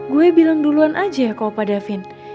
gue bilang duluan aja ya ke pak davin